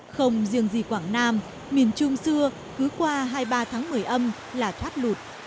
không riêng gì quảng nam miền trung xưa cứ qua hai mươi ba tháng một mươi âm là thoát lụt